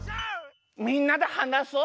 みんなではなそう。